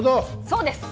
そうです！